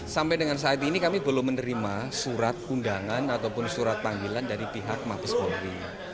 sampai dengan saat ini kami belum menerima surat undangan ataupun surat panggilan dari pihak mabes polri